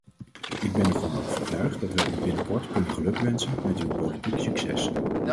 Ik ben ervan overtuigd dat wij u binnenkort kunnen gelukwensen met uw politiek succes.